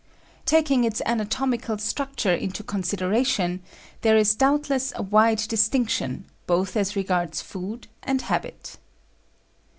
Taking its anatomical structure into consideration, there is doubtless a wide distinction, both as regards food and habit.